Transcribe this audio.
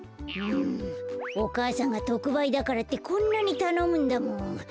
うんおかあさんがとくばいだからってこんなにたのむんだもん。